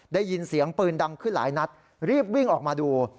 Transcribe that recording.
ได้ยินเสียงปืนดังขึ้นหลายนัดรีบวิ่งออกมาดู